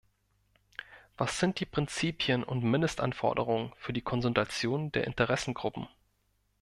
Was sind die Prinzipien und Mindestanforderungen für die Konsultation der Interessengruppen?